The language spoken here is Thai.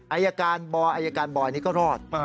อายการบอยอายการบอยนี่ก็รอด